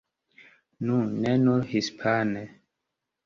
Nu ne nur hispane.